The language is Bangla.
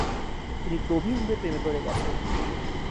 তিনি গভীরভাবে প্রেমে পড়ে গেছেন।